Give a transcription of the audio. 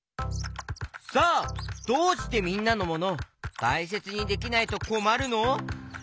さあどうしてみんなのモノたいせつにできないとこまるの？